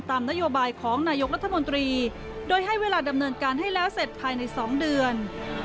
นโยบายของนายกรัฐมนตรีโดยให้เวลาดำเนินการให้แล้วเสร็จภายใน๒เดือน